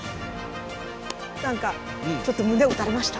なんかちょっとむねをうたれました。